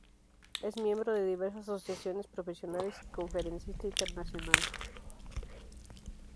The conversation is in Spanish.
Es miembro de diversas asociaciones profesionales y conferencista internacional.